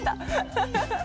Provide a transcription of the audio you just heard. フフフッ。